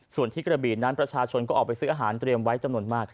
ส่วนที่กระบีนั้นประชาชนก็ออกไปซื้ออาหารเตรียมไว้จำนวนมาก